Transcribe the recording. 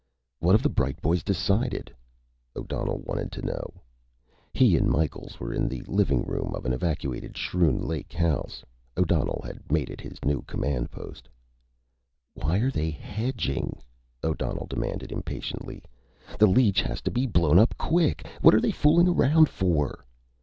"What have the bright boys decided?" O'Donnell wanted to know. He and Micheals were in the living room of an evacuated Schroon Lake house. O'Donnell had made it his new command post. "Why are they hedging?" O'Donnell demanded impatiently. "The leech has to be blown up quick. What are they fooling around for?"